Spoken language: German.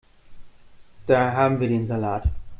Da haben wir den Salat.